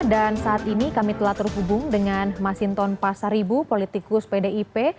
dan saat ini kami telah terhubung dengan masinton pasaribu politikus pdip